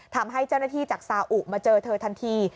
ทำให้เจ้าหน้าที่จากซาอุมาเจอเธอทันที